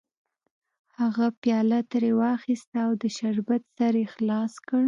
هغه پیاله ترې واخیسته او د شربت سر یې خلاص کړ